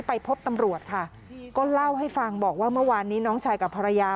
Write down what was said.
ไปพบตำรวจค่ะก็เล่าให้ฟังบอกว่าเมื่อวานนี้น้องชายกับภรรยา